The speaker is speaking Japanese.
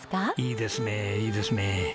いいですねいいですね。